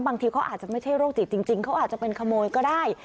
บางทีเขาอาจจะไม่ใช่โรคจิตจริงเขาอาจจะเป็นขโมยก็ได้